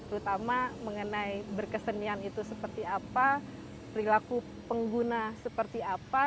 terutama mengenai berkesenian itu seperti apa perilaku pengguna seperti apa